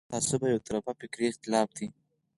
دا بغض، تعصب او یو طرفه فکري اختلاف دی.